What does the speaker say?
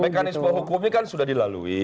mekanisme hukumnya kan sudah dilalui